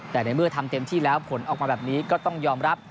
แต่ในเมื่อทำเต็มที่แล้วผลออกมาแบบนี้ก็ต้องยอมรับ